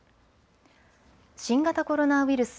新型コロナウイルス。